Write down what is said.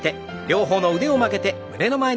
両方の腕を曲げて胸の前。